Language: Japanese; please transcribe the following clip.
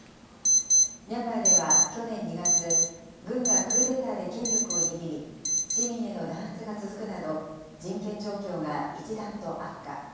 ミャンマーでは去年２月、軍がクーデターで権力を握り、市民への弾圧が続くなど、人権状況が一段と悪化。